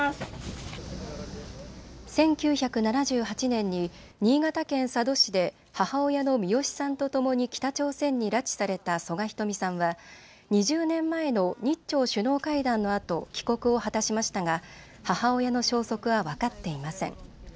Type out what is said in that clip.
１９７８年に新潟県佐渡市で母親のミヨシさんとともに北朝鮮に拉致された曽我ひとみさんは２０年前の日朝首脳会談のあと帰国を果たしましたが母親の消息は分かっていません。